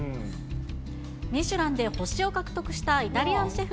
ミシュランで星を獲得したイタリアンシェフ